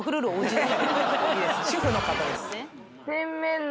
主婦の方です